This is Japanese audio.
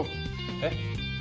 えっ？